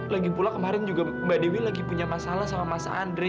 lagipula kemarin juga mbak dewi lagi punya masalah sama mas andre